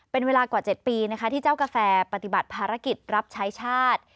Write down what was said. เป็นเวลากว่า๗ปีนะคะที่เจ้ากาแฟปฏิบัติภารกิจรับใช้ชาติ